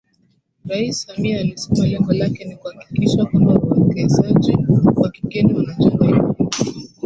Rais Samia alisema lengo lake ni kuhakikisha kwamba wawekezaji wa kigeni wanajenga imani